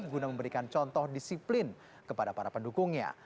guna memberikan contoh disiplin kepada para pendukungnya